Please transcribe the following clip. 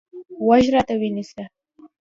غوږ راته ونیسه.